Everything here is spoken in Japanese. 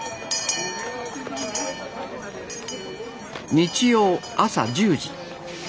日曜朝１０時。